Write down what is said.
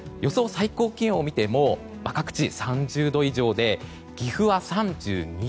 最高気温を見ても各地３０度以上で岐阜は３２度。